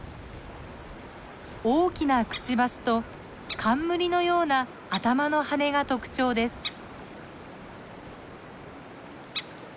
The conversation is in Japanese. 大きなくちばしと冠のような頭の羽が特徴です。